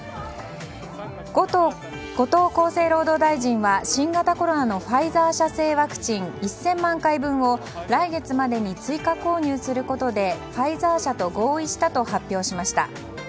後藤厚生労働大臣は新型コロナのファイザー社製ワクチン１０００万回分を来月までに追加購入することでファイザー社と合意したと発表しました。